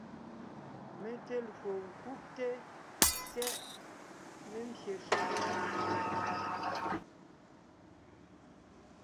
Mé te lwo ńkúbte/syɛ́ʼ membyè shúm wɔ́.